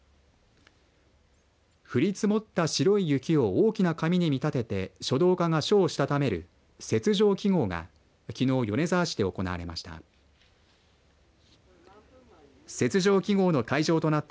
降り積もった白い雪を大きな紙に見立てて書道家が書をしたためる雪上揮ごうがきのう米沢市で行われました。